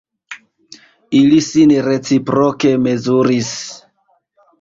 Ili sin reciproke mezuris.